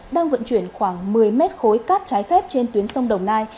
đang vận chuyển khoảng một mươi mét khối cát trái phép trên tuyến sông đồng nai